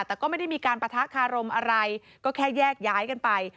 แต่ก็ไม่ได้มีการปะทะคารมอะไรก็แค่แยกย้ายกันไป